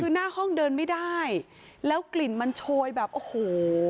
คือหน้าห้องเดินไม่ได้แล้วกลิ่นมันโชยแบบโอ้โห